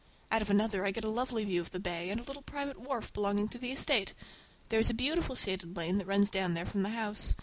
Out of another I get a lovely view of the bay and a little private wharf belonging to the estate. There is a beautiful shaded lane that runs down there from the house.